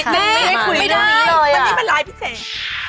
แม่ไม่ได้วันนี้มันร้ายพี่เศษ